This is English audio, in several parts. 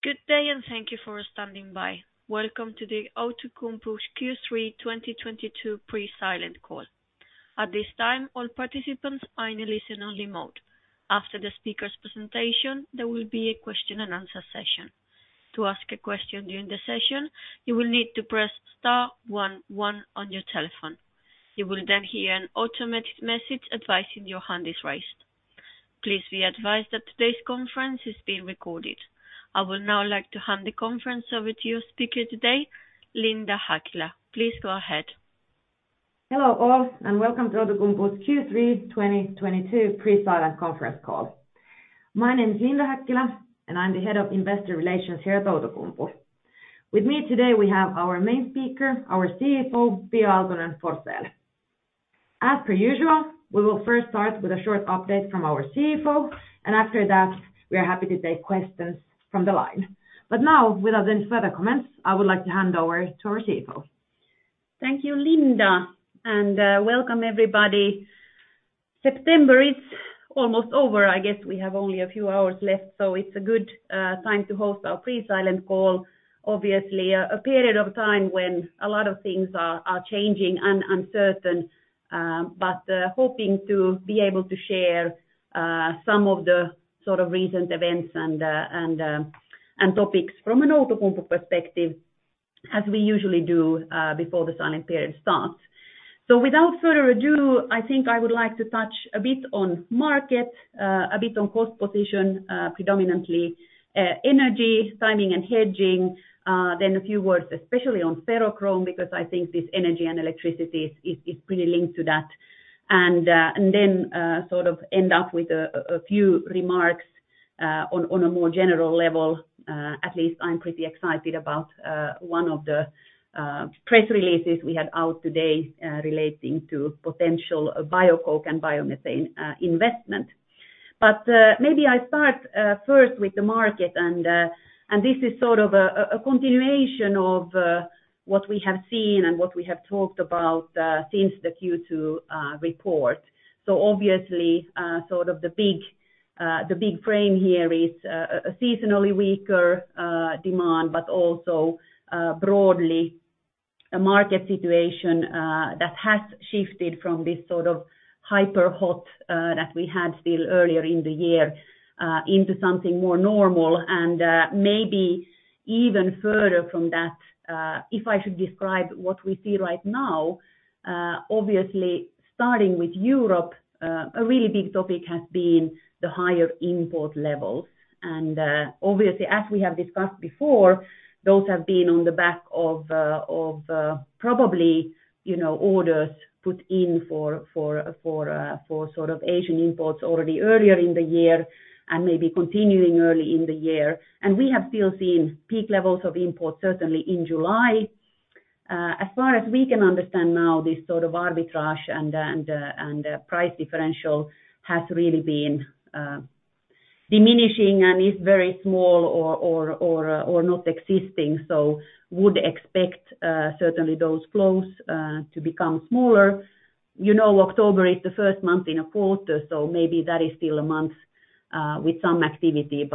Good day, and thank you for standing by. Welcome to the Outokumpu's Q3 2022 pre-silent call. At this time, all participants are in a listen-only mode. After the speaker's presentation, there will be a question and answer session. To ask a question during the session, you will need to press star one one on your telephone. You will then hear an automated message advising your hand is raised. Please be advised that today's conference is being recorded. I would now like to hand the conference over to your speaker today, Linda Häkkilä. Please go ahead. Hello all, and welcome to Outokumpu's Q3 2022 pre-silent conference call. My name is Linda Häkkilä, and I'm the head of investor relations here at Outokumpu. With me today, we have our main speaker, our CFO, Pia Aaltonen-Forsell. As per usual, we will first start with a short update from our CFO, and after that, we are happy to take questions from the line. Now, without any further comments, I would like to hand over to our CFO. Thank you, Linda, and welcome everybody. September is almost over. I guess we have only a few hours left, so it's a good time to host our pre-silent call. Obviously, a period of time when a lot of things are changing and uncertain, but hoping to be able to share some of the recent events and topics from an Outokumpu perspective as we usually do before the silent period starts. Without further ado, I think I would like to touch a bit on market, a bit on cost position, predominantly energy, timing and hedging, then a few words especially on ferrochrome because I think this energy and electricity is pretty linked to that. Then end up with a few remarks on a more general level. At least I'm pretty excited about one of the press releases we had out today relating to potential biocoke and biomethane investment. Maybe I start first with the market and this is a continuation of what we have seen and what we have talked about since the Q2 report. Obviously the big frame here is a seasonally weaker demand, but also broadly a market situation that has shifted from this hyper hot that we had still earlier in the year into something more normal and maybe even further from that. If I should describe what we see right now, obviously starting with Europe, a really big topic has been the higher import levels. Obviously, as we have discussed before, those have been on the back of probably, you know, orders put in for Asian imports already earlier in the year and maybe continuing early in the year. We have still seen peak levels of imports certainly in July. As far as we can understand now, this arbitrage and price differential has really been diminishing and is very small or not existing. Would expect certainly those flows to become smaller. You know, October is the first month in a quarter, so maybe that is still a month with some activity.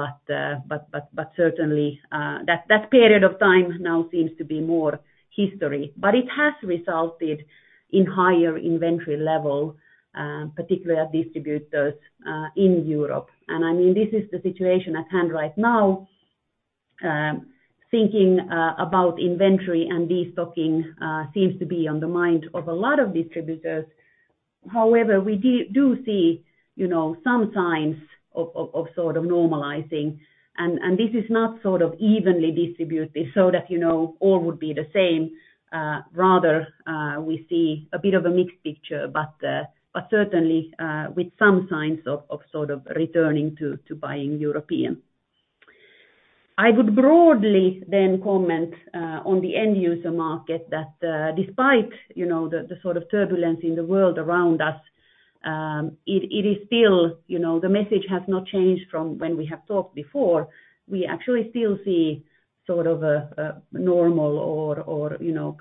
Certainly, that period of time now seems to be more history. It has resulted in higher inventory level, particularly at distributors, in Europe. I mean, this is the situation at hand right now, thinking about inventory and destocking, seems to be on the mind of a lot of distributors. However, we do see, you know, some signs of normalizing. This is not evenly distributed so that, you know, all would be the same. Rather, we see a bit of a mixed picture, but certainly, with some signs of returning to buying European. I would broadly comment on the end user market that, despite, you know, the turbulence in the world around us, it is still, you know, the message has not changed from when we have talked before. We actually still see a normal or, you know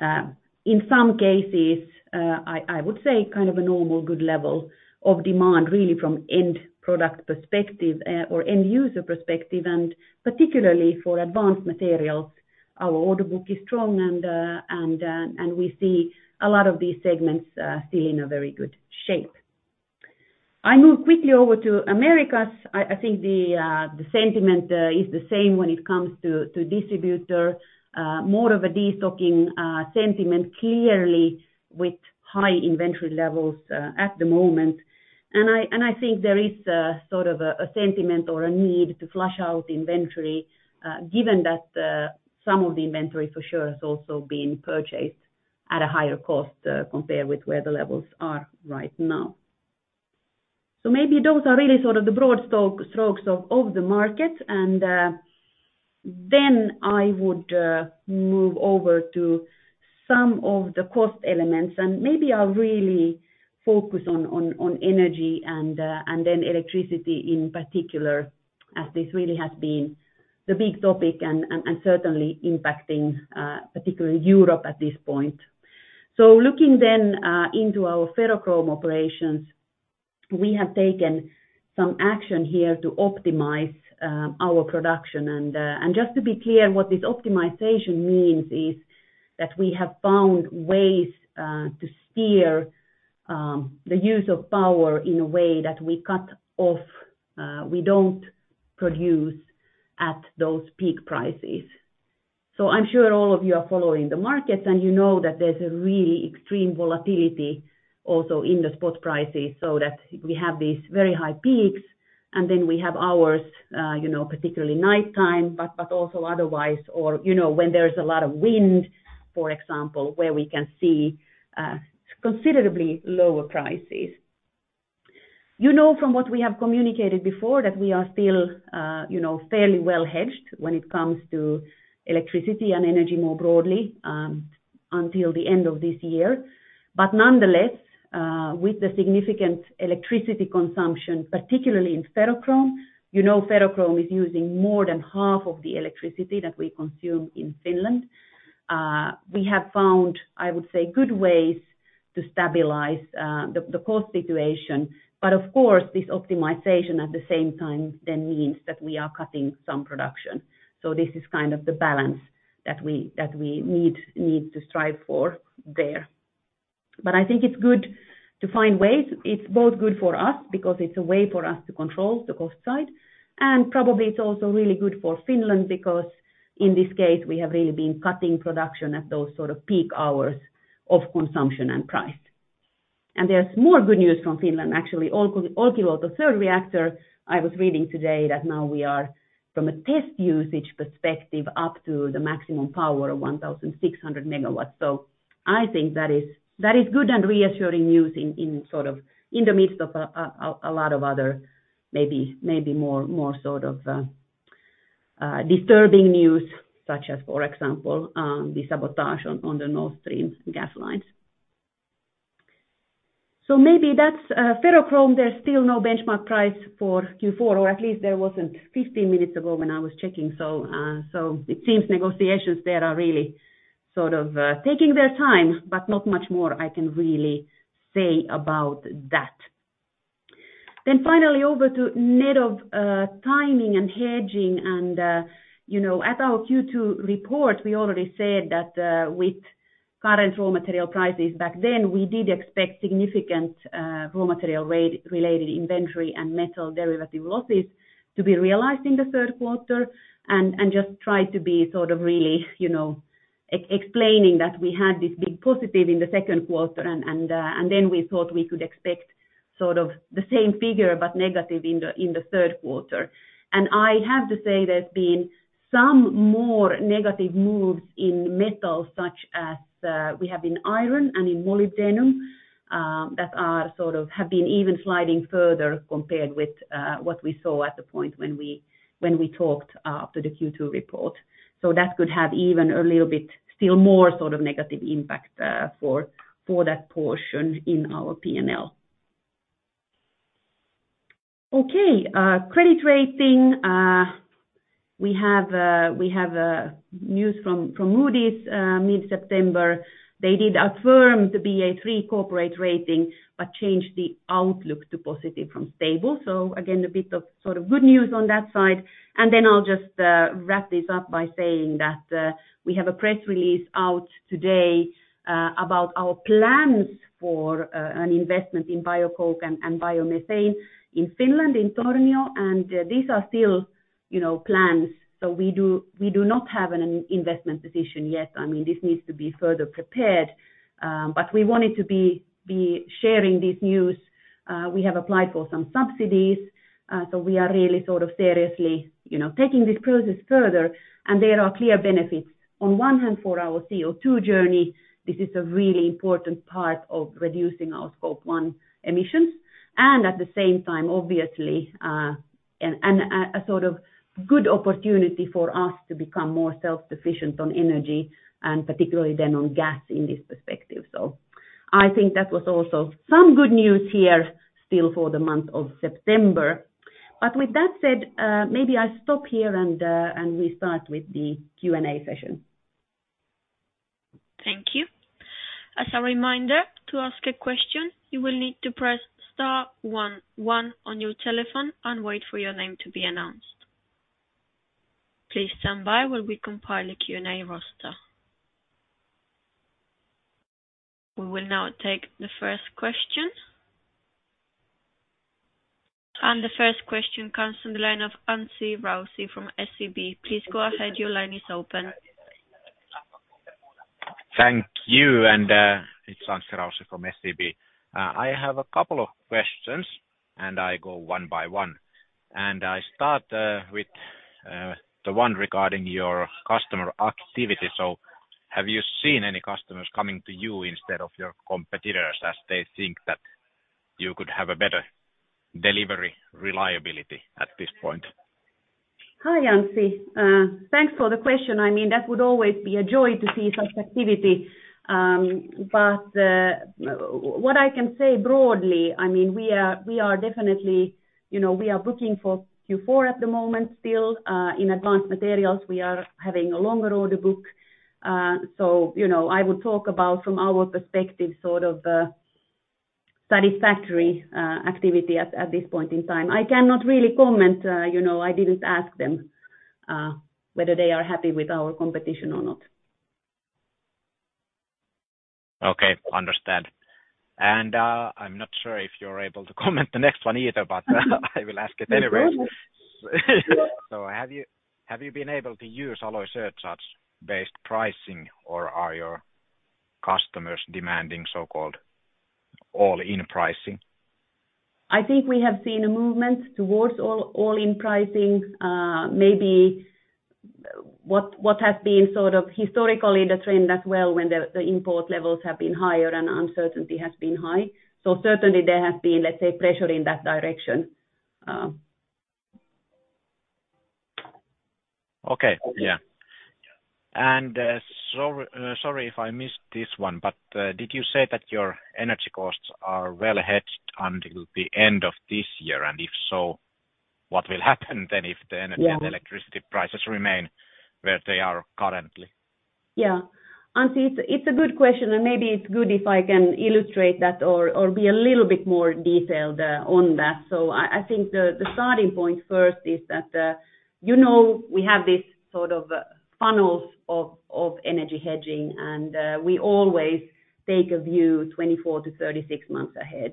a, in some cases, I would say a normal good level of demand really from end product perspective, or end user perspective, and particularly for advanced materials. Our order book is strong and we see a lot of these segments still in a very good shape. I move quickly over to Americas. I think the sentiment is the same when it comes to distributor. More of a destocking sentiment clearly with high inventory levels at the moment. I think there is a sentiment or a need to flush out inventory, given that some of the inventory for sure has also been purchased at a higher cost compared with where the levels are right now. Maybe those are really the broad strokes of the market. Then I would move over to some of the cost elements, and maybe I'll really focus on energy and then electricity in particular. As this really has been the big topic and certainly impacting particularly Europe at this point. Looking then into our ferrochrome operations, we have taken some action here to optimize our production. Just to be clear, what this optimization means is that we have found ways to steer the use of power in a way that we don't produce at those peak prices. I'm sure all of you are following the markets, and you know that there's a really extreme volatility also in the spot prices, so that we have these very high peaks. We have hours, you know, particularly nighttime, but also otherwise. You know, when there's a lot of wind, for example, where we can see considerably lower prices. You know, from what we have communicated before that we are still, you know, fairly well hedged when it comes to electricity and energy more broadly, until the end of this year. Nonetheless, with the significant electricity consumption, particularly in ferrochrome, you know ferrochrome is using more than half of the electricity that we consume in Finland. We have found, I would say, good ways to stabilize the cost situation. Of course, this optimization at the same time then means that we are cutting some production. This is the balance that we need to strive for there. I think it's good to find ways. It's both good for us because it's a way for us to control the cost side. Probably it's also really good for Finland because in this case, we have really been cutting production at those peak hours of consumption and price. There's more good news from Finland. Actually, Olkiluoto third reactor, I was reading today that now we are from a test usage perspective up to the maximum power of 1,600 MW. I think that is good and reassuring news in in the midst of a lot of other maybe more disturbing news, such as for example the sabotage on the Nord Stream gas lines. Maybe that's ferrochrome. There's still no benchmark price for Q4, or at least there wasn't 15 minutes ago when I was checking. It seems negotiations there are really taking their time, but not much more I can really say about that. Finally, over to net of timing and hedging. You know, at our Q2 report, we already said that with current raw material prices back then, we did expect significant raw material rate-related inventory and metal derivative losses to be realized in the third quarter. We thought we could expect the same figure, but negative in the third quarter. I have to say, there's been some more negative moves in metal, such as we have in iron and in molybdenum, that are have been even sliding further compared with what we saw at the point when we talked after the Q2 report. That could have even a little bit still more negative impact for that portion in our P&L. Okay, credit rating. We have news from Moody's mid-September. They did affirm the Ba3 corporate rating but changed the outlook to positive from stable. Again, a bit of good news on that side. I'll just wrap this up by saying that we have a press release out today about our plans for an investment in biocoke and biomethane in Finland, in Tornio. These are still, you know, plans. We do not have an investment decision yet. I mean, this needs to be further prepared, but we wanted to be sharing this news. We have applied for some subsidies, so we are really seriously, you know, taking this process further. There are clear benefits. On one hand, for our CO2 journey, this is a really important part of reducing our Scope 1 emissions. At the same time, obviously, a good opportunity for us to become more self-sufficient on energy and particularly then on gas in this perspective. I think that was also some good news here still for the month of September. With that said, maybe I stop here and we start with the Q&A session. Thank you. As a reminder, to ask a question, you will need to press star one one on your telephone and wait for your name to be announced. Please stand by while we compile a Q&A roster. We will now take the first question. The first question comes from the line of Anssi Raussi from SEB. Please go ahead. Your line is open. Thank you. It's Anssi Raussi from SEB. I have a couple of questions, and I go one by one. I start with the one regarding your customer activity. Have you seen any customers coming to you instead of your competitors, as they think that you could have a better delivery reliability at this point? Hi, Anssi. Thanks for the question. I mean, that would always be a joy to see such activity. What I can say broadly, I mean, we are definitely, you know, we are booking for Q4 at the moment still. In advanced materials, we are having a longer order book. You know, I would talk about from our perspective satisfactory activity at this point in time. I cannot really comment, you know, I didn't ask them whether they are happy with our competition or not. Okay. Understand. I'm not sure if you're able to comment on the next one either, but I will ask it anyway. You can try. Have you been able to use alloy surcharge-based pricing, or are your customers demanding so-called all-in pricing? I think we have seen a movement towards all-in pricing. Maybe what has been historically the trend as well when the import levels have been higher and uncertainty has been high. Certainly there has been, let's say, pressure in that direction. Okay. Yeah. Sorry if I missed this one, but, did you say that your energy costs are well hedged until the end of this year? If so, what will happen then if the energy- Yeah. electricity prices remain where they are currently? Yeah. Anssi, it's a good question, and maybe it's good if I can illustrate that or be a little bit more detailed on that. I think the starting point first is that you know we have this funnels of energy hedging, and we always take a view 24-36 months ahead.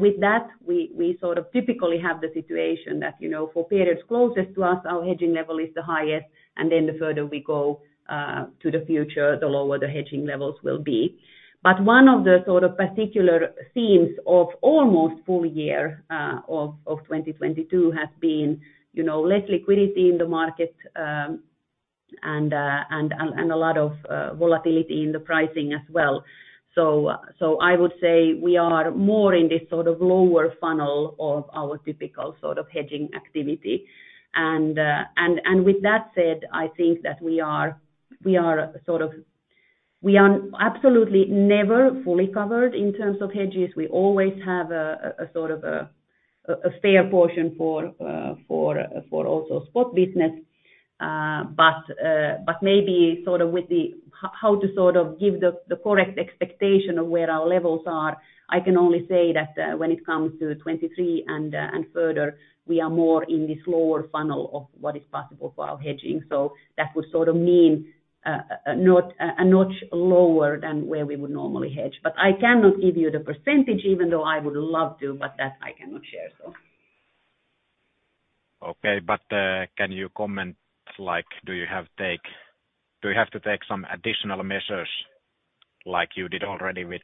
With that, we typically have the situation that you know for periods closest to us, our hedging level is the highest, and then the further we go to the future, the lower the hedging levels will be. One of the particular themes of almost full year of 2022 has been you know less liquidity in the market and a lot of volatility in the pricing as well. I would say we are more in this lower funnel of our typical hedging activity. With that said, I think that we are. We are absolutely never fully covered in terms of hedges. We always have a fair portion for also spot business. But maybe how to give the correct expectation of where our levels are, I can only say that, when it comes to 2023 and further, we are more in this lower funnel of what is possible for our hedging. That would mean, a notch lower than where we would normally hedge. I cannot give you the percentage even though I would love to, but that I cannot share, so. Okay. Can you comment, like, do you have to take some additional measures like you did already with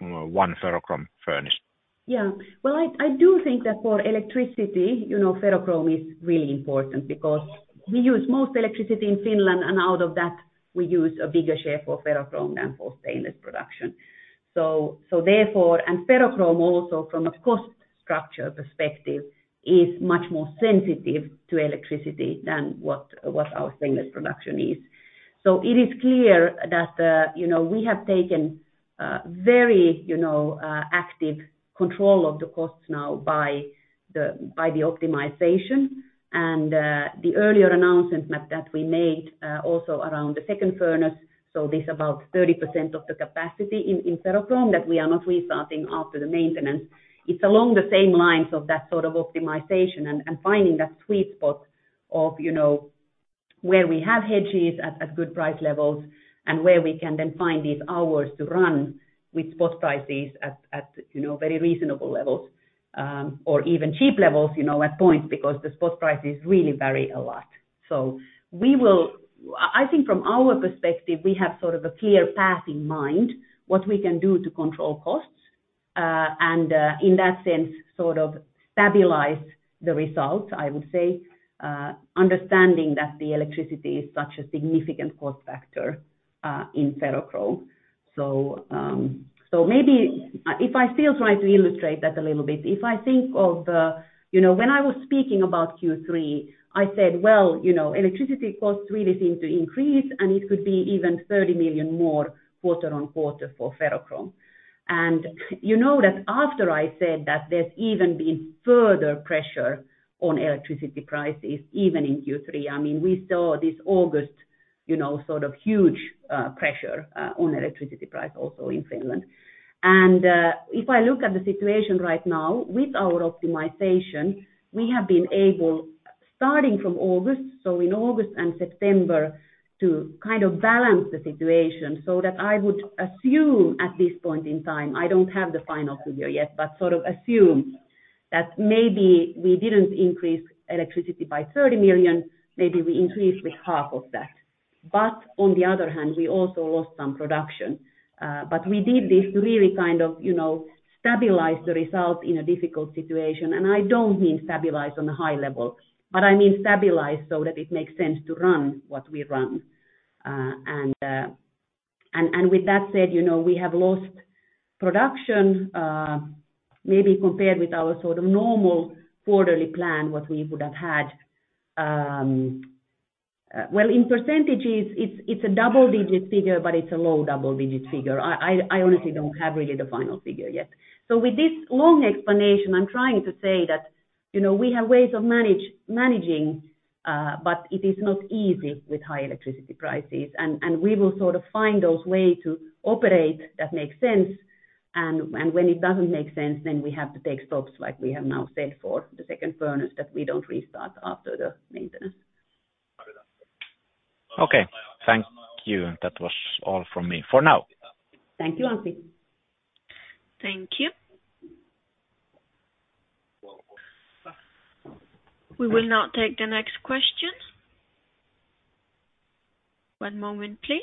one ferrochrome furnace? Yeah. Well, I do think that for electricity, you know, ferrochrome is really important because we use most electricity in Finland, and out of that, we use a bigger share for ferrochrome than for stainless production. So therefore, and ferrochrome also from a cost structure perspective, is much more sensitive to electricity than what our stainless production is. So it is clear that, you know, we have taken very, you know, active control of the costs now by the optimization and the earlier announcement that we made also around the second furnace. So this about 30% of the capacity in ferrochrome that we are not restarting after the maintenance. It's along the same lines of that optimization and finding that sweet spot of, you know, where we have hedges at good price levels and where we can then find these hours to run with spot prices at, you know, very reasonable levels or even cheap levels, you know, at points because the spot prices really vary a lot. I think from our perspective, we have a clear path in mind what we can do to control costs and in that sense, stabilize the results, I would say, understanding that the electricity is such a significant cost factor in ferrochrome. Maybe if I still try to illustrate that a little bit, if I think of, you know, when I was speaking about Q3, I said, "Well, you know, electricity costs really seem to increase, and it could be even 30 million more quarter-over-quarter for ferrochrome." You know that after I said that, there's even been further pressure on electricity prices, even in Q3. I mean, we saw this August, you know, huge pressure on electricity price also in Finland. If I look at the situation right now, with our optimization, we have been able, starting from August, so in August and September, to balance the situation so that I would assume at this point in time, I don't have the final figure yet, but assume that maybe we didn't increase electricity by 30 million, maybe we increased with half of that. On the other hand, we also lost some production. We did this really, you know, stabilize the result in a difficult situation, and I don't mean stabilize on a high level, but I mean stabilize so that it makes sense to run what we run. With that said, you know, we have lost production, maybe compared with our normal quarterly plan, what we would have had. Well, in percentages, it's a double-digit figure, but it's a low double-digit figure. I honestly don't have really the final figure yet. With this long explanation, I'm trying to say that, you know, we have ways of managing, but it is not easy with high electricity prices, and we will find those ways to operate that makes sense. When it doesn't make sense, then we have to take stops, like we have now said for the second furnace, that we don't restart after the maintenance. Okay. Thank you. That was all from me for now. Thank you, Antti. Thank you. We will now take the next question. One moment, please.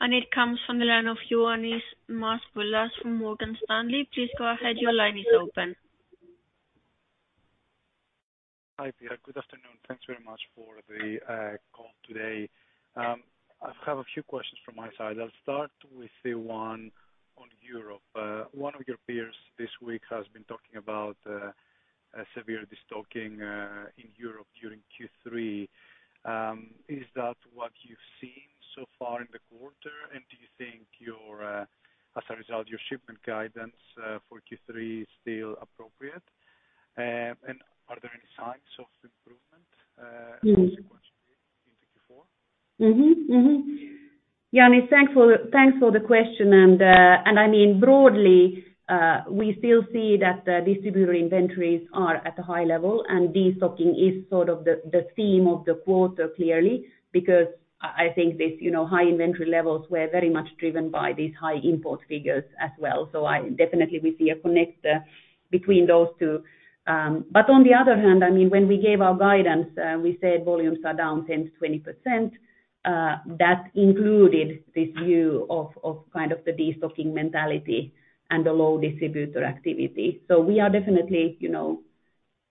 It comes from the line of Ioannis Masvoulas from Morgan Stanley. Please go ahead. Your line is open. Hi, Pia. Good afternoon. Thanks very much for the call today. I have a few questions from my side. I'll start with the one on Europe. One of your peers this week has been talking about a severe destocking in Europe during Q3. Is that what you've seen so far in the quarter? Do you think your, as a result, your shipment guidance for Q3 is still appropriate? Are there any signs of improvement consequently into Q4? Ioannis, thanks for the question. I mean, broadly, we still see that the distributor inventories are at a high level, and destocking is the theme of the quarter clearly, because I think this, you know, high inventory levels were very much driven by these high import figures as well. We definitely see a connection between those two. On the other hand, I mean, when we gave our guidance, we said volumes are down 10%-20%, that included this view of the destocking mentality and the low distributor activity. We are definitely, you know,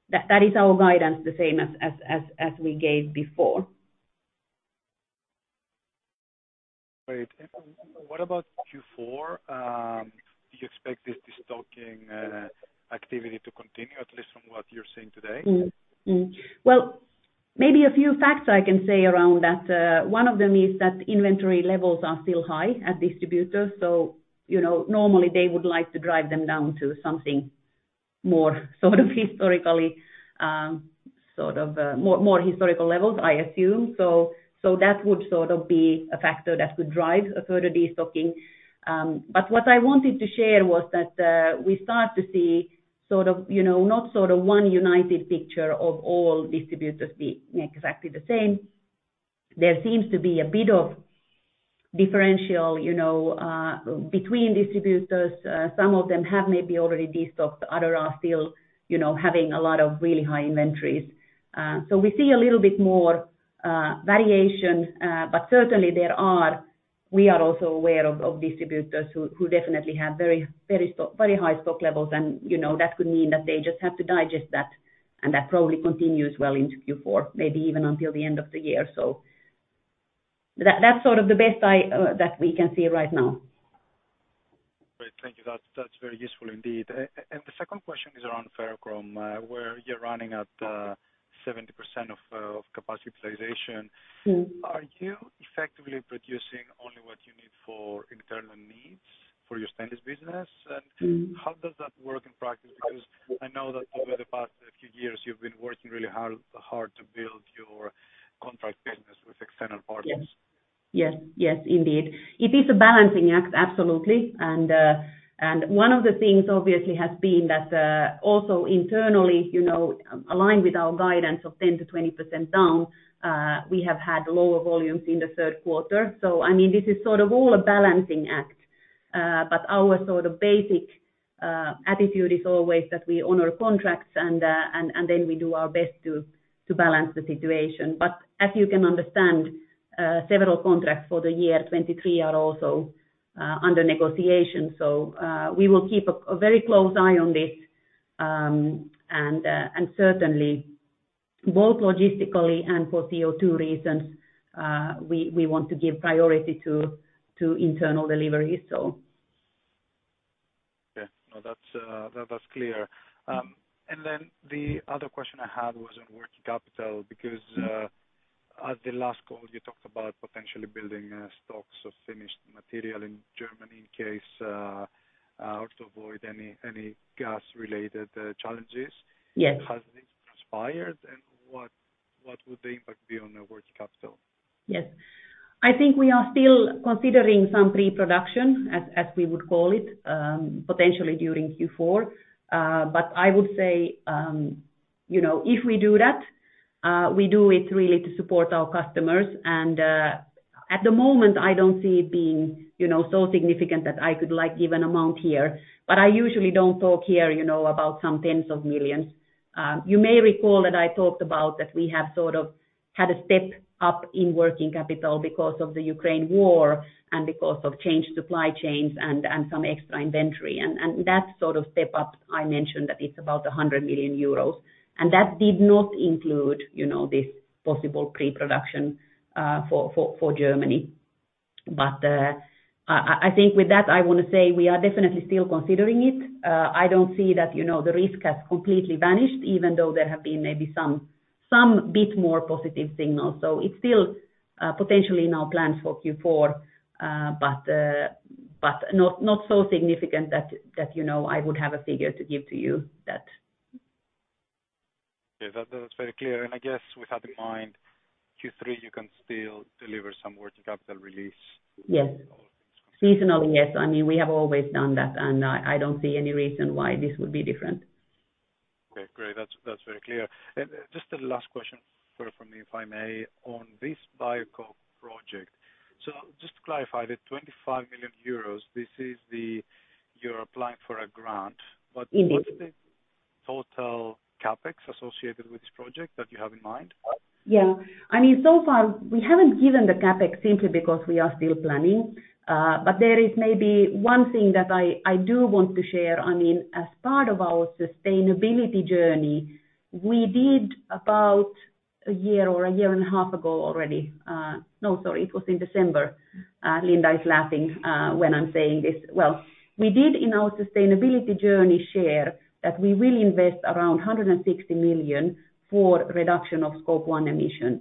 that is our guidance, the same as we gave before. Great. What about Q4? Do you expect this destocking activity to continue, at least from what you're seeing today? Well, maybe a few facts I can say around that. One of them is that inventory levels are still high at distributors. You know, normally they would like to drive them down to something more historical levels, I assume. That would be a factor that could drive a further destocking. But what I wanted to share was that we start to see you know, not one united picture of all distributors being exactly the same. There seems to be a bit of differential, you know, between distributors. Some of them have maybe already destocked, other are still, you know, having a lot of really high inventories. We see a little bit more variation, but certainly there are. We are also aware of distributors who definitely have very high stock levels. You know, that could mean that they just have to digest that, and that probably continues well into Q4, maybe even until the end of the year. That's the best I, that we can see right now. Great. Thank you. That's very useful indeed. The second question is around ferrochrome, where you're running at 70% of capacity utilization. Mm-hmm. Are you effectively producing only what you need for internal needs for your stainless business? Mm-hmm. How does that work in practice? Because I know that over the past few years, you've been working really hard to build your contract business with external partners. Yes. Yes. Yes, indeed. It is a balancing act, absolutely. One of the things obviously has been that also internally, you know, aligned with our guidance of 10%-20% down, we have had lower volumes in the third quarter. I mean, this is all a balancing act. Our basic attitude is always that we honor contracts and then we do our best to balance the situation. As you can understand, several contracts for the year 2023 are also under negotiation. We will keep a very close eye on this. And certainly both logistically and for CO2 reasons, we want to give priority to internal deliveries, so. Yeah. No, that's clear. The other question I had was on working capital because. Mm-hmm. At the last call, you talked about potentially building stocks of finished material in Germany in case or to avoid any gas-related challenges. Yes. Has this transpired? What would the impact be on the working capital? Yes. I think we are still considering some pre-production, as we would call it, potentially during Q4. I would say, you know, if we do that, we do it really to support our customers. At the moment, I don't see it being, you know, so significant that I could, like, give an amount here. I usually don't talk here, you know, about EUR tens of millions. You may recall that I talked about that we have had a step up in working capital because of the Ukraine war and because of changed supply chains and some extra inventory. That step up, I mentioned that it's about 100 million euros, and that did not include, you know, this possible pre-production for Germany. I think with that, I wanna say we are definitely still considering it. I don't see that, you know, the risk has completely vanished, even though there have been maybe some bit more positive signals. It's still potentially in our plans for Q4, but not so significant that, you know, I would have a figure to give to you that. Yeah. That was very clear. I guess with that in mind, Q3, you can still deliver some working capital release. Yes. Seasonally, yes. I mean, we have always done that, and I don't see any reason why this would be different. Okay, great. That's very clear. Just a last question from me, if I may, on this biocoke project. Just to clarify, the 25 million euros. You're applying for a grant? Indeed. What is the total CapEx associated with this project that you have in mind? Yeah. I mean, so far, we haven't given the CapEx simply because we are still planning. There is maybe one thing that I do want to share. I mean, as part of our sustainability journey, it was in December. Linda is laughing when I'm saying this. Well, we did, in our sustainability journey share that we will invest around 160 million for reduction of Scope 1 emissions.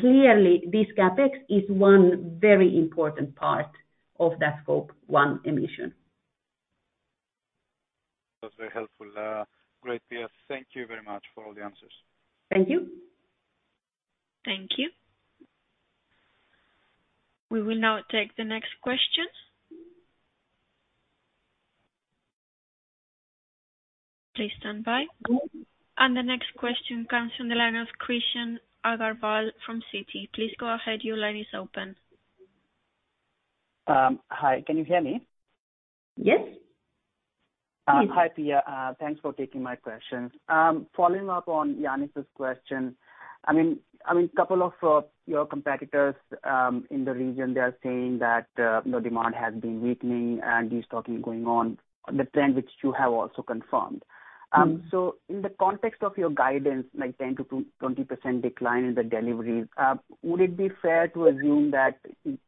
Clearly, this CapEx is one very important part of that Scope 1 emissions. That's very helpful. Great, Pia. Thank you very much for all the answers. Thank you. Thank you. We will now take the next question. Please stand by. The next question comes from the line of Krishan Agarwal from Citi. Please go ahead. Your line is open. Hi. Can you hear me? Yes. Hi, Pia. Thanks for taking my questions. Following up on Johannes' question, I mean, couple of your competitors in the region, they are saying that, you know, demand has been weakening and de-stocking going on, the trend which you have also confirmed. Mm-hmm. In the context of your guidance, like 10%-20% decline in the deliveries, would it be fair to assume that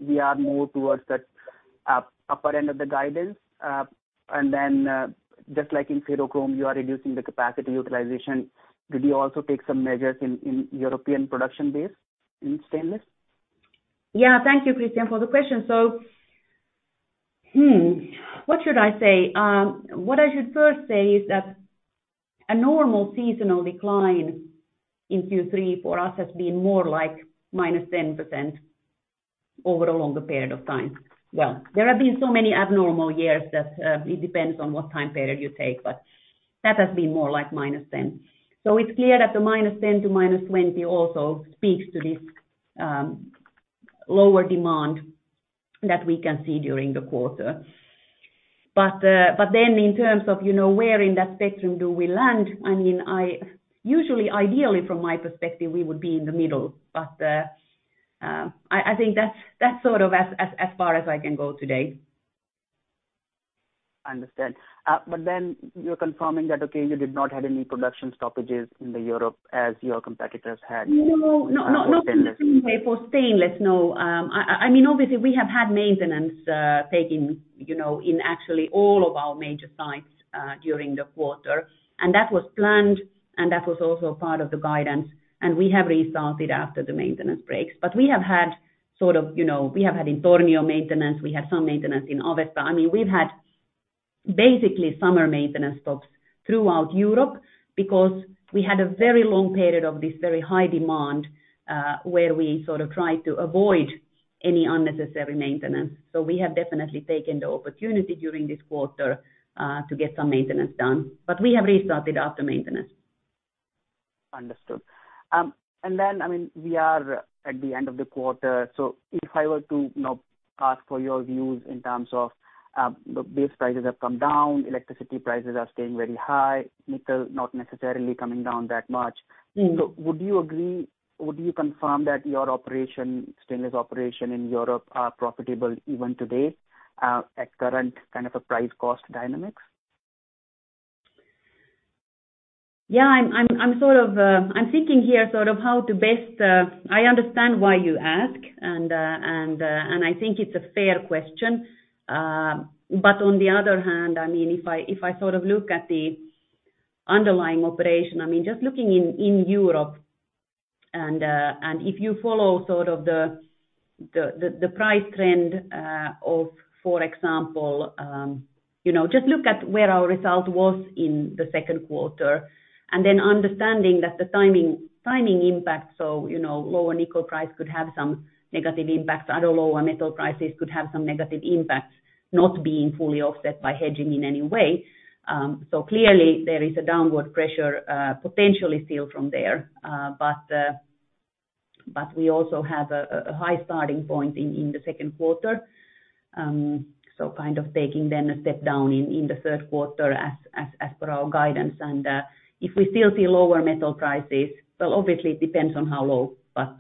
we are more towards that upper end of the guidance? Just like in ferrochrome, you are reducing the capacity utilization. Did you also take some measures in European production base in stainless? Yeah. Thank you, Krishan, for the question. What should I say? What I should first say is that a normal seasonal decline in Q3 for us has been more like minus 10% over a longer period of time. There have been so many abnormal years that it depends on what time period you take, but that has been more like minus 10. It's clear that the minus 10% to minus 20% also speaks to this lower demand that we can see during the quarter. Then in terms of, you know, where in that spectrum do we land, I mean, usually, ideally, from my perspective, we would be in the middle. I think that's as far as I can go today. You're confirming that, okay, you did not have any production stoppages in Europe as your competitors had? No, not. for stainless. For stainless, no. I mean, obviously, we have had maintenance, you know, in actually all of our major sites, during the quarter, and that was planned, and that was also part of the guidance, and we have restarted after the maintenance breaks. We have had in Tornio maintenance, we had some maintenance in Avesta. I mean, we've had basically summer maintenance stops throughout Europe because we had a very long period of this very high demand, where we tried to avoid any unnecessary maintenance. We have definitely taken the opportunity during this quarter, to get some maintenance done. We have restarted after maintenance. Understood. I mean, we are at the end of the quarter, so if I were to, you know, ask for your views in terms of the base prices have come down, electricity prices are staying very high, nickel not necessarily coming down that much. Mm-hmm. Would you confirm that your operation, stainless operation in Europe are profitable even today, at current a price-cost dynamics? Yeah. I'm thinking here how to best. I understand why you ask and I think it's a fair question. On the other hand, I mean, if I look at the underlying operation, I mean, just looking in Europe and if you follow the price trend of, for example, you know, just look at where our result was in the second quarter, and then understanding that the timing impact, you know, lower nickel price could have some negative impacts. Other lower metal prices could have some negative impacts, not being fully offset by hedging in any way. Clearly there is a downward pressure, potentially still from there. We also have a high starting point in the second quarter. Taking then a step down in the third quarter as per our guidance. If we still see lower metal prices, well, obviously it depends on how low, but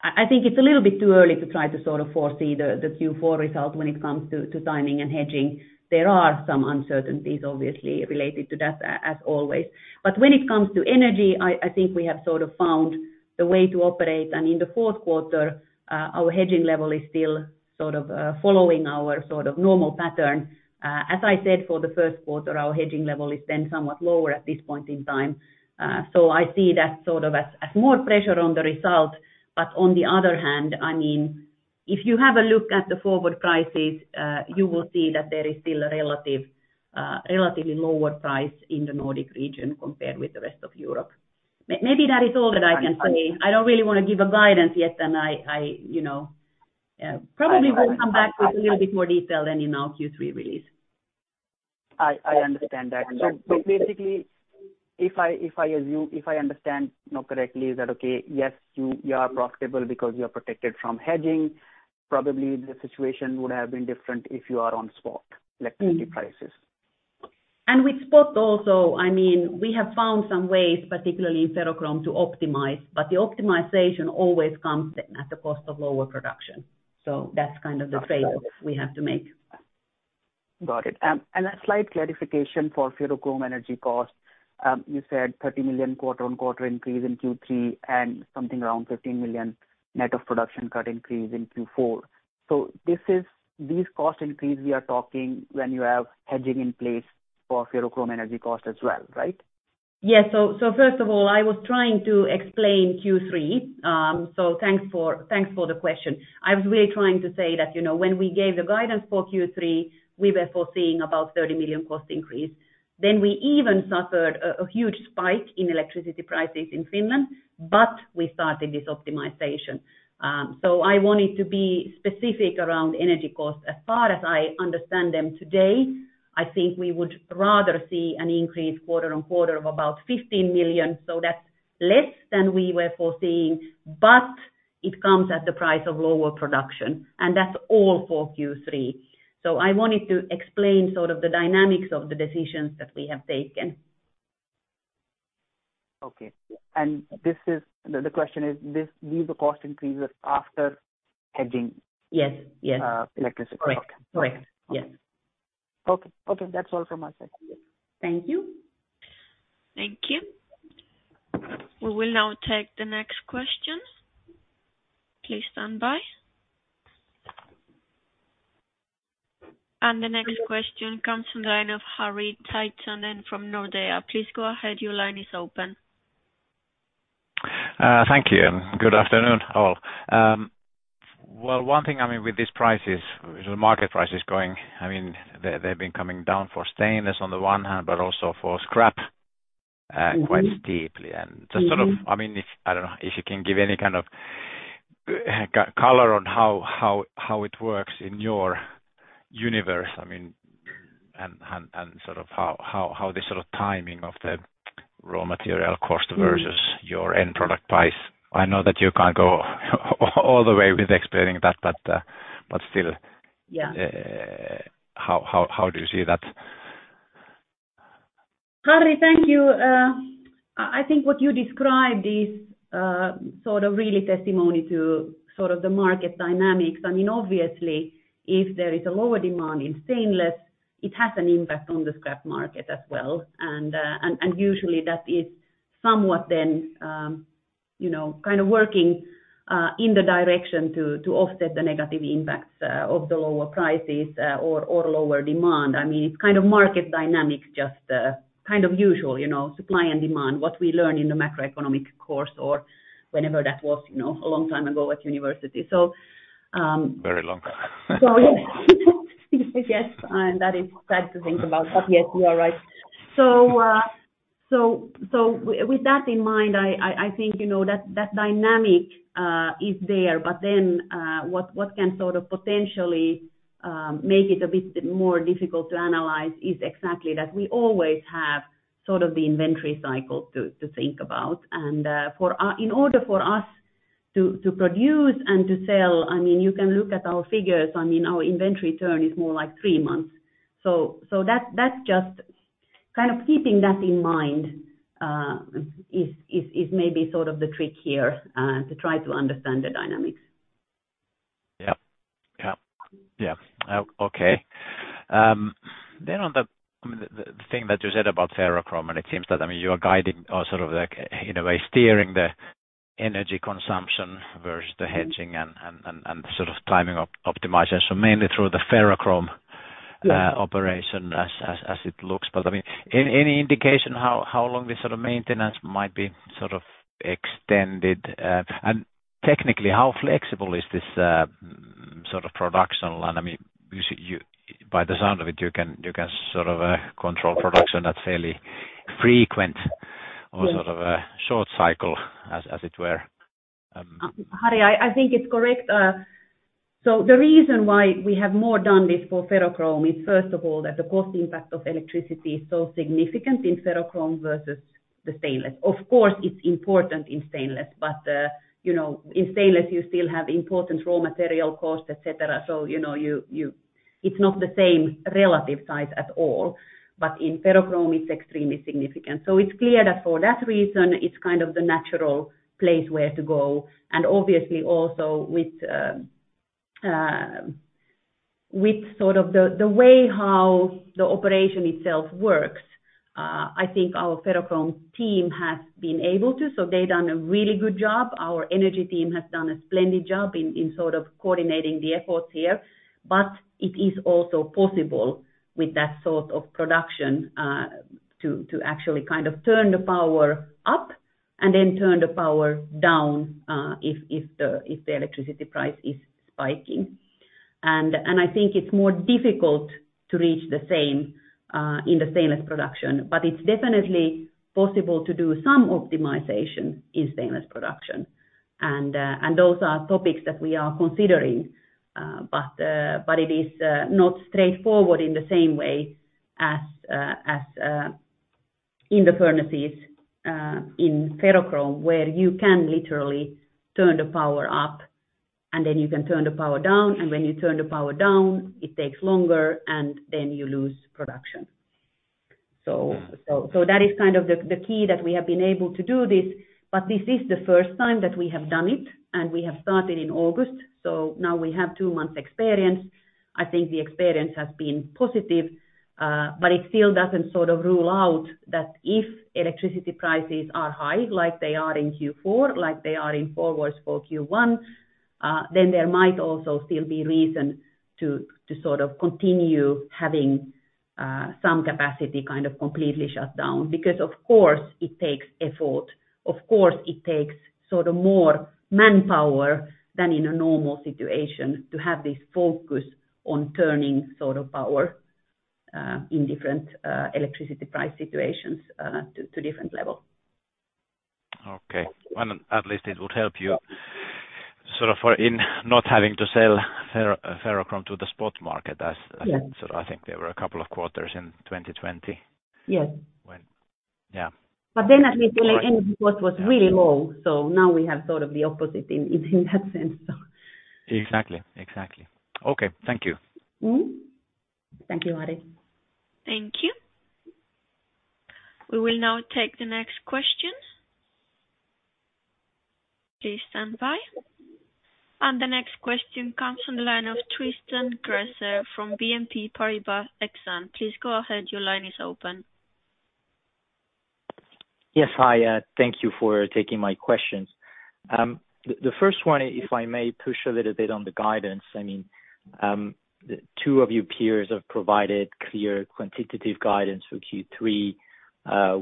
I think it's a little bit too early to try to foresee the Q4 result when it comes to timing and hedging. There are some uncertainties, obviously, related to that as always. When it comes to energy, I think we have found the way to operate. In the fourth quarter, our hedging level is still following our normal pattern. As I said, for the first quarter, our hedging level is then somewhat lower at this point in time. I see that as more pressure on the result. On the other hand, I mean, if you have a look at the forward prices, you will see that there is still a relatively lower price in the Nordic region compared with the rest of Europe. Maybe that is all that I can say. I don't really wanna give a guidance yet, and I, you know, probably will come back with a little bit more detail then in our Q3 release. I understand that. Basically, if I understand, you know, correctly, is that okay? Yes, you are profitable because you are protected from hedging. Probably the situation would have been different if you are on spot electricity prices. With spot also, I mean, we have found some ways, particularly in ferrochrome, to optimize, but the optimization always comes at the cost of lower production. That's the trade-off we have to make. Got it. A slight clarification for ferrochrome energy cost. You said 30 million quarter-on-quarter increase in Q3 and something around 15 million net of production cut increase in Q4. These cost increase we are talking when you have hedging in place for ferrochrome energy cost as well, right? Yes. First of all, I was trying to explain Q3, so thanks for the question. I was really trying to say that, you know, when we gave the guidance for Q3, we were foreseeing about 30 million cost increase. We even suffered a huge spike in electricity prices in Finland, but we started this optimization. I wanted to be specific around energy costs. As far as I understand them today, I think we would rather see an increase quarter-on-quarter of about 15 million, so that's less than we were foreseeing, but it comes at the price of lower production, and that's all for Q3. I wanted to explain the dynamics of the decisions that we have taken. Okay. The question is this, these are cost increases after hedging. Yes, yes. electricity costs. Correct. Yes. Okay. Okay, that's all from my side. Thank you. Thank you. We will now take the next question. Please stand by. The next question comes in line of Harri Taittonen from Nordea. Please go ahead. Your line is open. Thank you, and good afternoon all. Well, one thing, I mean, with these prices, the market prices going, I mean, they've been coming down for stainless on the one hand, but also for scrap. Mm-hmm. quite steeply. Just. Mm-hmm. I mean, I don't know if you can give any color on how it works in your universe. I mean, and how the timing of the raw material cost versus your end product price. I know that you can't go all the way with explaining that, but still. Yeah. How do you see that? Harri, thank you. I think what you described is really testament to the market dynamics. I mean, obviously, if there is a lower demand in stainless, it has an impact on the scrap market as well. Usually that is somewhat then, you know working in the direction to offset the negative impacts of the lower prices or lower demand. I mean, it's market dynamics, just usual, you know, supply and demand, what we learn in the macroeconomic course or whenever that was, you know, a long time ago at university. Very long time. Yes, and that is sad to think about, but yes, you are right. With that in mind, I think, you know, that dynamic is there. Then, what can potentially make it a bit more difficult to analyze is exactly that we always have the inventory cycle to think about. In order for us to produce and to sell, I mean, you can look at our figures. I mean, our inventory turn is more like three months. That's just keeping that in mind is maybe the trick here to try to understand the dynamics. Okay. On the, I mean, the thing that you said about ferrochrome, and it seems that, I mean, you are guiding or like, in a way, steering the energy consumption versus the hedging and timing optimization. Mainly through the ferrochrome. Yeah. operation as it looks. I mean, any indication how long this maintenance might be extended? Technically, how flexible is this production line? I mean, you see, by the sound of it, you can control production at fairly frequent- Yes. ...a short cycle, as it were. Harri, I think it's correct. The reason why we have more done this for ferrochrome is, first of all, that the cost impact of electricity is so significant in ferrochrome versus the stainless. Of course, it's important in stainless, but you know, in stainless, you still have important raw material costs, et cetera. You know, it's not the same relative size at all, but in ferrochrome, it's extremely significant. It's clear that for that reason, it's the natural place where to go. Obviously also with the way how the operation itself works, I think our ferrochrome team has been able to. They've done a really good job. Our energy team has done a splendid job in coordinating the efforts here. It is also possible with that production, to actually turn the power up and then turn the power down, if the electricity price is spiking. I think it's more difficult to reach the same in the stainless production, but it's definitely possible to do some optimization in stainless production. Those are topics that we are considering. It is not straightforward in the same way as in the furnaces in ferrochrome, where you can literally turn the power up and then you can turn the power down, and when you turn the power down, it takes longer, and then you lose production. That is the key that we have been able to do this, but this is the first time that we have done it, and we have started in August. Now we have two months experience. I think the experience has been positive, but it still doesn't rule out that if electricity prices are high, like they are in Q4, like they are in forwards for Q1, then there might also still be reason to continue having some capacity completely shut down. Because of course it takes effort. Of course, it takes more manpower than in a normal situation to have this focus on turning power in different electricity price situations to different level. Okay. At least it would help you for in not having to sell ferrochrome to the spot market as- Yes. I think there were a couple of quarters in 2020. Yes. Yeah. At least the energy cost was really low. Now we have the opposite in that sense. Exactly. Okay. Thank you. Mm-hmm. Thank you, Harri. Thank you. We will now take the next question. Please stand by. The next question comes from the line of Tristan Gresser from BNP Paribas Exane. Please go ahead. Your line is open. Yes. Hi, thank you for taking my questions. The first one, if I may push a little bit on the guidance, I mean, two of your peers have provided clear quantitative guidance for Q3.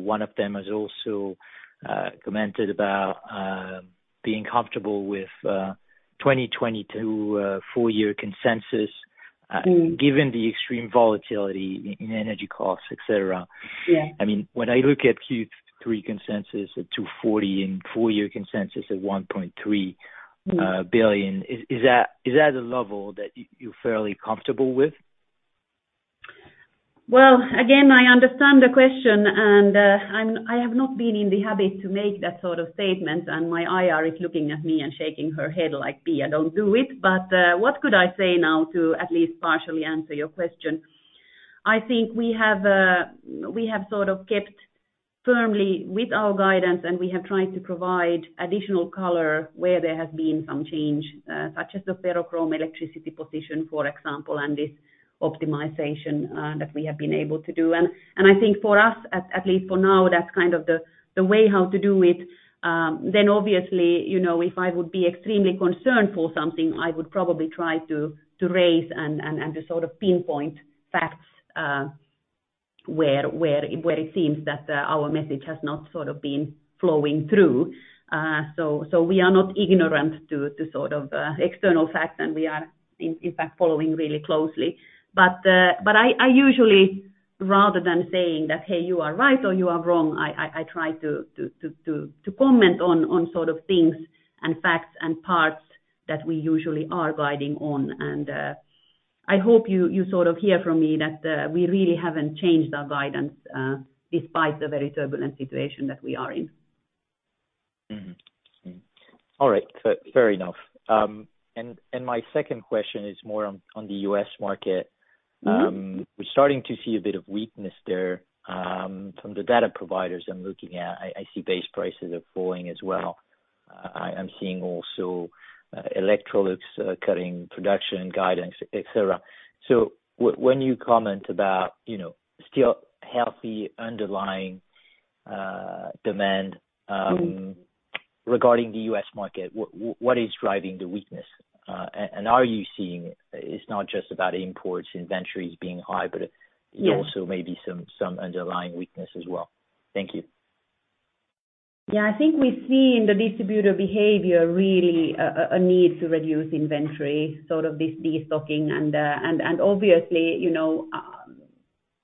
One of them has also commented about being comfortable with 2022 full-year consensus. Mm-hmm. Given the extreme volatility in energy costs, et cetera. Yeah. I mean, when I look at Q3 consensus at 240 and four-year consensus at 1.3. Mm-hmm. Billion, is that a level that you're fairly comfortable with? Well, again, I understand the question, and I have not been in the habit to make that statement. My IR is looking at me and shaking her head like, "Pia, don't do it." But what could I say now to at least partially answer your question? I think we have kept firmly with our guidance, and we have tried to provide additional color where there has been some change, such as the ferrochrome electricity position, for example, and this optimization that we have been able to do. I think for us, at least for now, that's the way how to do it. Obviously, you know, if I would be extremely concerned for somethipinpoint facts, where it seems that our message has not been flowing through. We are not ignorant to external facts, and we are, in fact, following really closely. I usually, rather than saying that, "Hey, you are right or you are wrong," I try to comment on things and facts and parts that we usually are guiding on. I hope you hear from me that we really haven't changed our guidance, despite the very turbulent situation that we are in. All right. Fair enough. My second question is more on the U.S. market. Mm-hmm. We're starting to see a bit of weakness there, from the data providers I'm looking at. I see base prices are falling as well. I'm seeing also, Electrolux cutting production guidance, et cetera. When you comment about, you know, still healthy underlying demand, Mm-hmm. Regarding the U.S. market, what is driving the weakness? Are you seeing it's not just about imports, inventories being high, but Yes. Also maybe some underlying weakness as well? Thank you. Yeah. I think we see in the distributor behavior really a need to reduce inventory, this destocking and obviously, you know,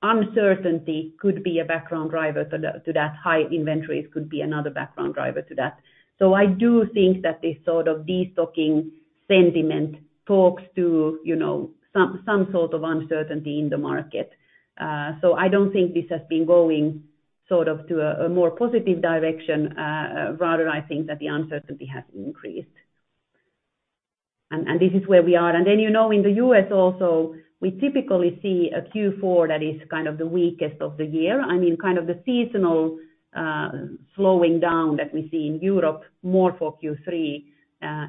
uncertainty could be a background driver to that. High inventories could be another background driver to that. I do think that this destocking sentiment talks to, you know, some uncertainty in the market. I don't think this has been going to a more positive direction, rather I think that the uncertainty has increased. This is where we are. Then, you know, in the US also, we typically see a Q4 that is the weakest of the year. I mean, the seasonal slowing down that we see in Europe more for Q3,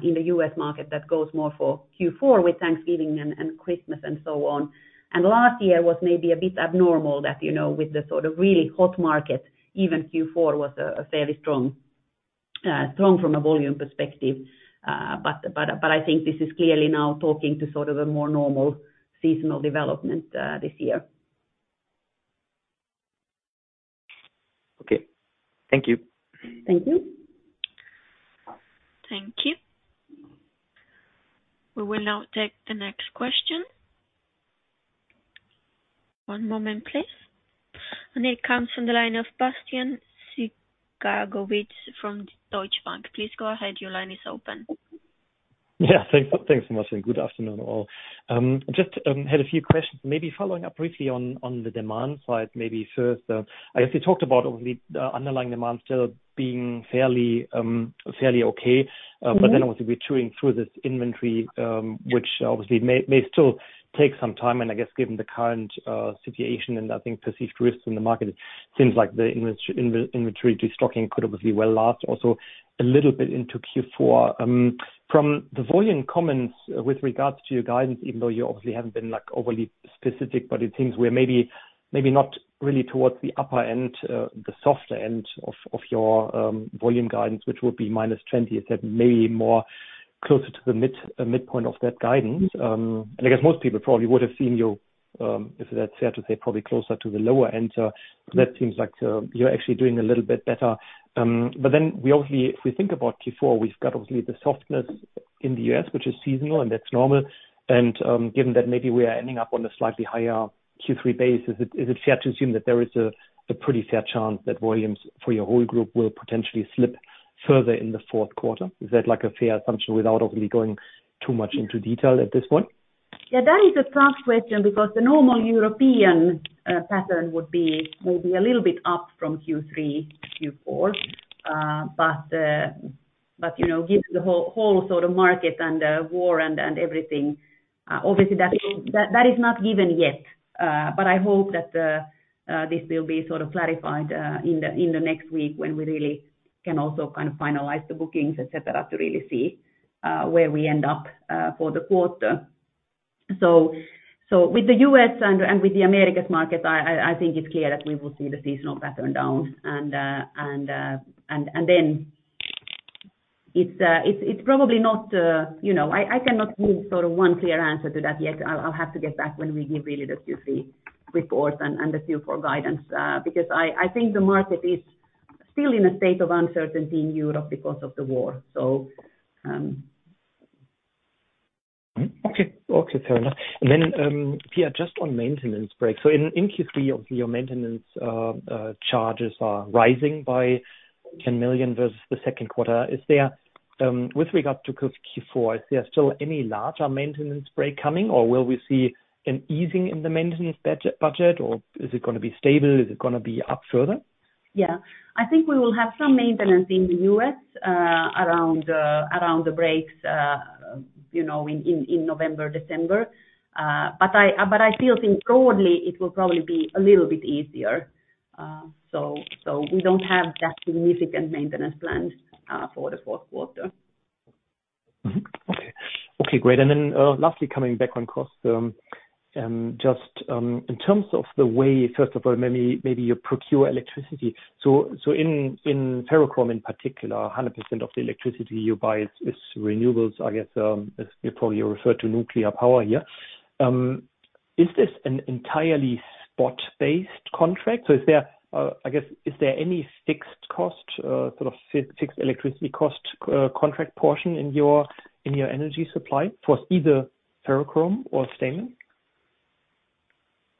in the U.S. market that goes more for Q4 with Thanksgiving and Christmas and so on. Last year was maybe a bit abnormal that, you know, with the really hot market, even Q4 was a fairly strong from a volume perspective. But I think this is clearly now talking to a more normal seasonal development this year. Okay. Thank you. Thank you. Thank you. We will now take the next question. One moment please. It comes from the line of Bastian Synagowitz from Deutsche Bank. Please go ahead. Your line is open. Yeah. Thanks so much, and good afternoon all. Just had a few questions maybe following up briefly on the demand side, maybe first. I guess you talked about obviously the underlying demand still being fairly okay. Mm-hmm. Obviously we're chewing through this inventory, which obviously may still take some time. I guess given the current situation and I think perceived risks in the market, it seems like the inventory destocking could obviously well last also a little bit into Q4. From the volume comments with regards to your guidance, even though you obviously haven't been, like, overly specific, but it seems we're maybe not really towards the upper end, the softer end of your volume guidance, which would be -20%. Is that maybe more closer to the midpoint of that guidance? I guess most people probably would've seen you, if that's fair to say, probably closer to the lower end. That seems like you're actually doing a little bit better. We obviously, if we think about Q4, we've got obviously the softness in the U.S., which is seasonal, and that's normal. Given that maybe we are ending up on a slightly higher Q3 base, is it fair to assume that there is a pretty fair chance that volumes for your whole group will potentially slip further in the fourth quarter? Is that like a fair assumption without obviously going too much into detail at this point? Yeah, that is a tough question because the normal European pattern would be maybe a little bit up from Q3, Q4. You know, given the whole market and war and everything, obviously that is not given yet. I hope that this will be clarified in the next week when we really can also finalize the bookings, et cetera, to really see where we end up for the quarter. With the US and with the Americas market, I think it's clear that we will see the seasonal pattern down. Then it's probably not. I cannot give one clear answer to that yet. I'll have to get back when we give really the Q3 report and the Q4 guidance, because I think the market is still in a state of uncertainty in Europe because of the war. Okay, fair enough. Pia, just on maintenance breaks. In Q3, obviously your maintenance charges are rising by 10 million versus the second quarter. With regard to Q4, is there still any larger maintenance break coming, or will we see an easing in the maintenance budget, or is it gonna be stable? Is it gonna be up further? I think we will have some maintenance in the U.S., around the breaks, you know, in November, December. I still think broadly it will probably be a little bit easier. We don't have that significant maintenance plans for the fourth quarter. Okay. Okay, great. Lastly, coming back on costs, just in terms of the way, first of all, maybe you procure electricity. In ferrochrome in particular, 100% of the electricity you buy is renewables, I guess, as you probably refer to nuclear power here. Is this an entirely spot-based contract? Is there, I guess, any fixed cost, fixed electricity cost, contract portion in your energy supply for either ferrochrome or stainless?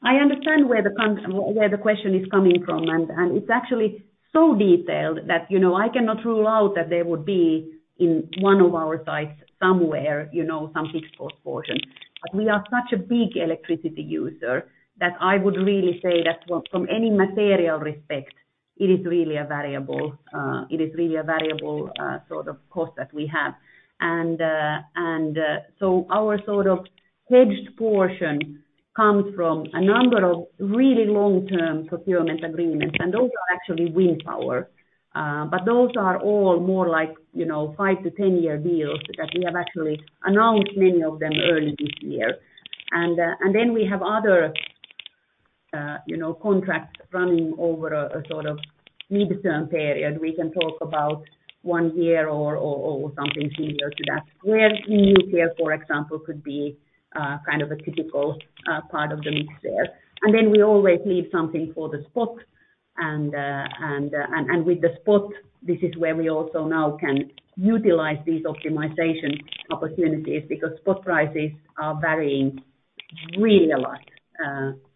I understand where the question is coming from, and it's actually so detailed that, you know, I cannot rule out that there would be in one of our sites somewhere, you know, some fixed cost portion. We are such a big electricity user that I would really say that from any material respect, it is really a variable cost that we have. Our hedged portion comes from a number of really long-term procurement agreements, and those are actually wind power. Those are all more like, you know, 5-10-year deals that we have actually announced many of them early this year. We have other, you know, contracts running over a midterm period. We can talk about one year or something similar to that, where nuclear, for example, could be a typical part of the mix there. We always leave something for the spot and with the spot, this is where we also now can utilize these optimization opportunities because spot prices are varying really a lot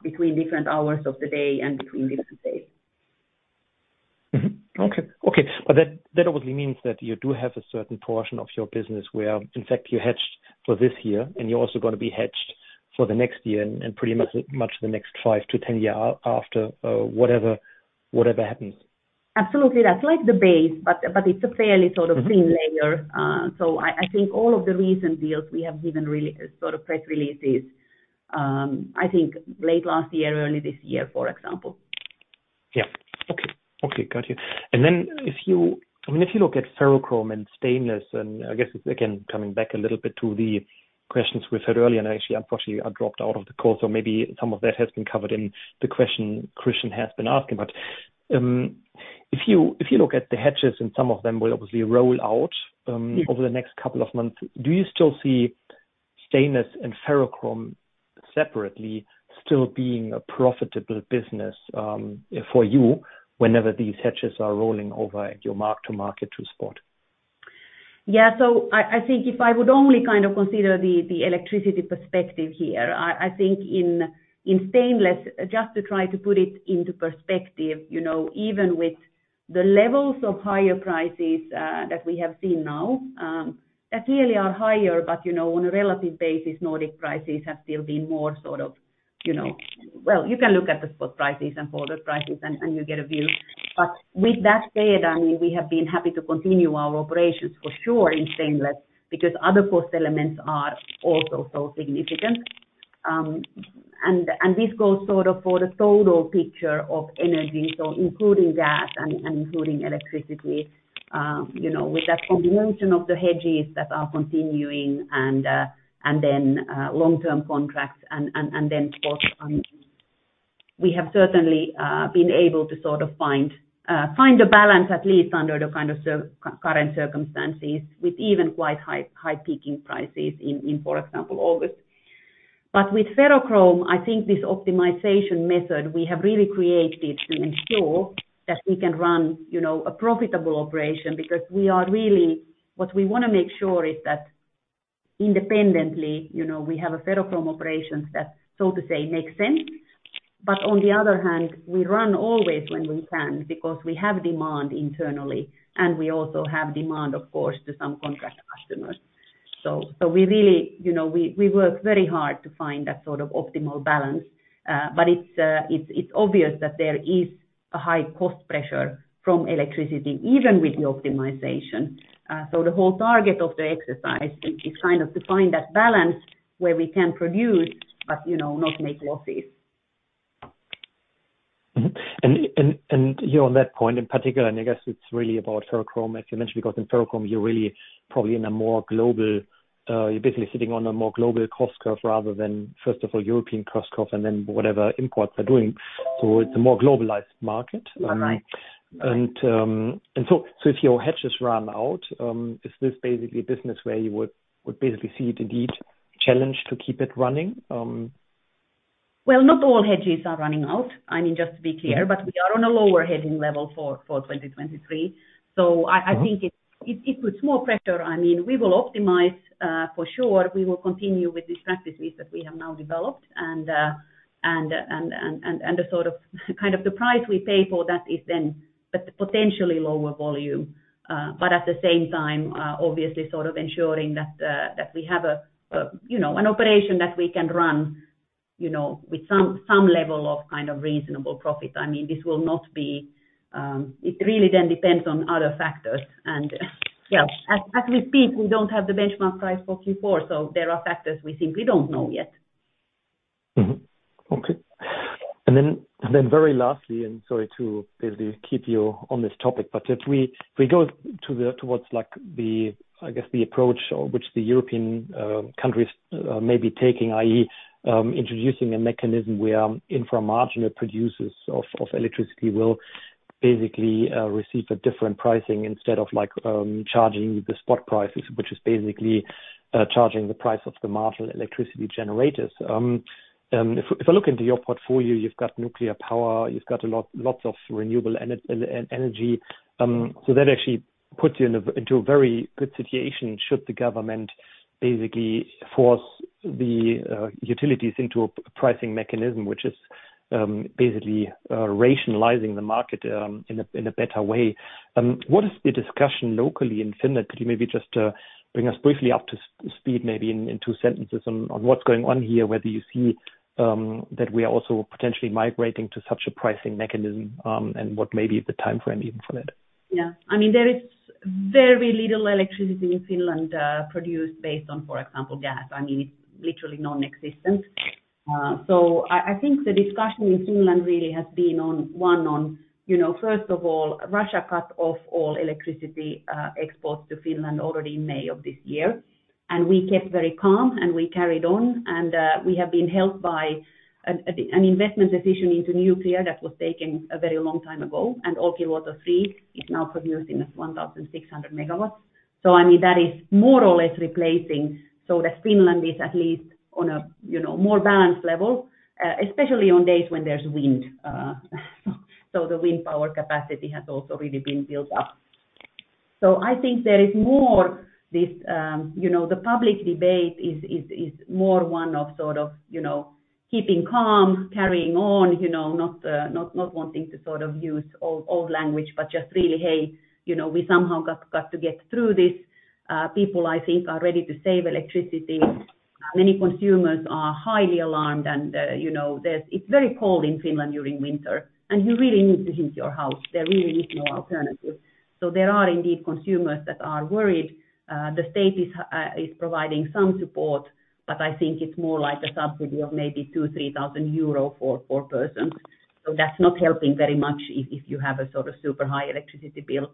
between different hours of the day and between different days. Mm-hmm. Okay, okay. That obviously means that you do have a certain portion of your business where, in fact, you hedged for this year, and you're also gonna be hedged for the next year and pretty much the next 5-10 years after whatever happens. Absolutely. That's like the base, but it's a fairly sothin layerpress releases, I think late last year, early this year, for example. Yeah. Okay. Okay. Got you. If you, I mean, if you look at ferrochrome and stainless, and I guess it's, again, coming back a little bit to the questions we've had earlier, and actually, unfortunately I dropped out of the call, so maybe some of that has been covered in the question Khristian has been asking. If you look at the hedges and some of them will obviously roll out over the next couple of months, do you still see stainless and ferrochrome separately still being a profitable business for you whenever these hedges are rolling over at your mark to market to spot? Yeah. I think if I would only consider the electricity perspective here, I think in stainless, just to try to put it into perspective, you know, even with the levels of higher prices that we have seen now, that really are higher. You know, on a relative basis, Nordic prices have still been more you know. Well, you can look at the spot prices and forward prices and you get a view. With that said, I mean, we have been happy to continue our operations for sure in stainless because other cost elements are also so significant. This goes for the total picture of energy, so including gas and including electricity, you know, with that combination of the hedges that are continuing and then long-term contracts and then spot. We have certainly been able to find a balance, at least under the current circumstances with even quite high peaking prices in, for example, August. With ferrochrome, I think this optimization method we have really created to ensure that we can run, you know, a profitable operation because we are really what we wanna make sure is that independently, you know, we have a ferrochrome operations that, so to say, makes sense. On the other hand, we run always when we can because we have demand internally, and we also have demand, of course, to some contract customers. We really, you know, we work very hard to find that optimal balance. It's obvious that there is a high cost pressure from electricity, even with the optimization. The whole target of the exercise isto find that balance where we can produce, but, you know, not make losses. Mm-hmm. You're on that point in particular, and I guess it's really about ferrochrome, as you mentioned, because in ferrochrome, you're really probably in a more global, you're basically sitting on a more global cost curve rather than, first of all, European cost curve and then whatever imports are doing. It's a more globalized market. All right. If your hedges run out, is this basically a business where you would basically see it indeed challenged to keep it running? Well, not all hedges are running out. I mean, just to be clear. Yeah. We are on a lower hedging level for 2023. I think it puts more pressure. I mean, we will optimize. For sure we will continue with the strategies that we have now developed and the price we pay for that is then potentially lower volume. At the same time, obviously ensuring that we have a, you know, an operation that we can run, you know, with some level of reasonable profit. I mean, this will not be. It really then depends on other factors. Yeah, as we speak, we don't have the benchmark price for Q4, so there are factors we simply don't know yet. Mm-hmm. Okay. Very lastly, and sorry to really keep you on this topic, but if we go towards like the, I guess the approach which the European countries may be taking, i.e., introducing a mechanism where infra-marginal producers of electricity will basically receive a different pricing instead of like charging the spot prices, which is basically charging the price of the marginal electricity generators. If I look into your portfolio, you've got nuclear power, you've got lots of renewable energy, so that actually puts you into a very good situation should the government basically force the utilities into a pricing mechanism which is basically rationalizing the market in a better way. What is the discussion locally in Finland? Could you maybe just bring us briefly up to speed, maybe in two sentences on what's going on here, whether you see that we are also potentially migrating to such a pricing mechanism, and what may be the timeframe even for that? Yeah. I mean, there is very little electricity in Finland produced based on, for example, gas. I mean, it's literally non-existent. I think the discussion in Finland really has been on one, you know, first of all, Russia cut off all electricity exports to Finland already in May of this year, and we kept very calm, and we carried on. We have been helped by an investment decision into nuclear that was taken a very long time ago. Olkiluoto 3 is now producing 1,600 megawatts. I mean, that is more or less replacing so that Finland is at least on a, you know, more balanced level, especially on days when there's wind. The wind power capacity has also really been built up. I think there is more this, you know, the public debate is more one of you know, keeping calm, carrying on, you know, not wanting to use old language, but just really, hey, you know, we somehow got to get through this. People I think are ready to save electricity. Many consumers are highly alarmed and, you know, it's very cold in Finland during winter, and you really need to heat your house. There really is no alternative. There are indeed consumers that are worried. The state is providing some support, but I think it's more like a subsidy of maybe 2,000-3,000 euro for four persons. That's not helping very much if you have a super high electricity bill.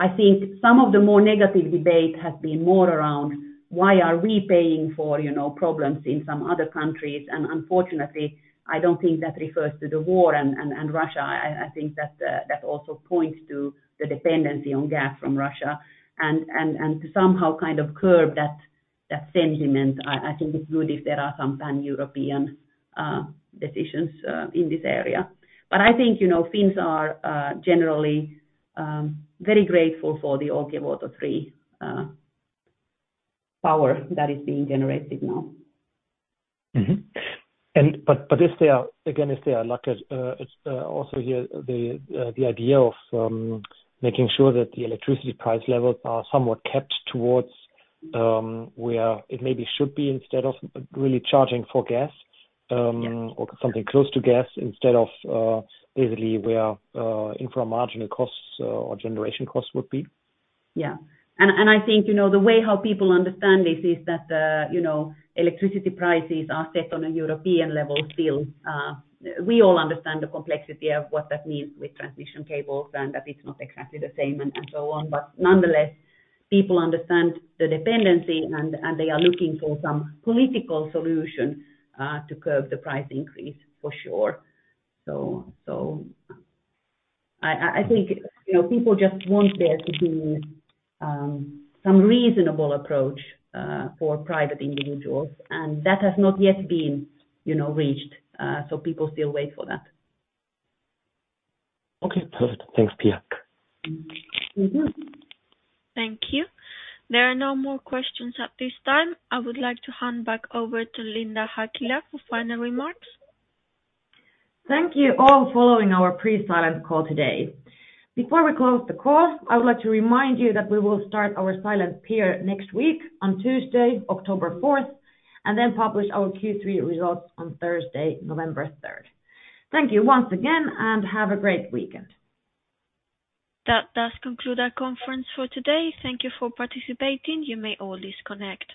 I think some of the more negative debate has been more around why are we paying for, you know, problems in some other countries. Unfortunately, I don't think that refers to the war and Russia. I think that also points to the dependency on gas from Russia and to somehow curb that sentiment. I think it's good if there are some pan-European decisions in this area. I think, you know, Finns are generally very grateful for the Olkiluoto 3 power that is being generated now. Mm-hmm. Again, if they are lucky, it's also here the idea of making sure that the electricity price levels are somewhat kept toward where it maybe should be instead of really charging for gas. Yeah. or something close to gas instead of electricity, where infra-marginal costs or generation costs would be. Yeah. I think, you know, the way how people understand this is that, you know, electricity prices are set on a European level playing field. We all understand the complexity of what that means with transmission cables and that it's not exactly the same and so on. Nonetheless, people understand the dependency and they are looking for some political solution to curb the price increase for sure. I think, you know, people just want there to be some reasonable approach for private individuals, and that has not yet been, you know, reached, so people still wait for that. Okay. Perfect. Thanks, Pia. Mm-hmm. Thank you. There are no more questions at this time. I would like to hand back over to Linda Häkkilä for final remarks. Thank you all for following our pre-silent call today. Before we close the call, I would like to remind you that we will start our silent period next week on Tuesday, October fourth, and then publish our Q3 results on Thursday, November third. Thank you once again, and have a great weekend. That does conclude our conference for today. Thank you for participating. You may all disconnect.